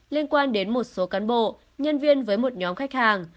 liên quan đến một số cán bộ nhân viên với một nhóm khách hàng